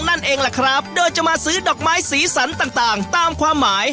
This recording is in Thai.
นั่นเองล่ะครับโดยจะมาซื้อดอกไม้สีสันต่างตามความหมาย